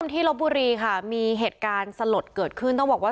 ที่ลบบุรีค่ะมีเหตุการณ์สลดเกิดขึ้นต้องบอกว่า